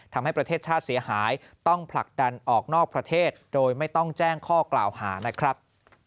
ทำให้ประเทศชาติเสียหายต้องผลักดันออกนอกประเทศโดยไม่ต้องแจ้งข้อกล่าวหานะครับ